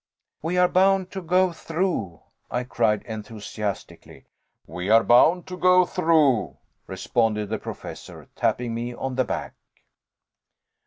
"We are bound to go through," I cried, enthusiastically. "We are bound to go through," responded the Professor, tapping me on the back.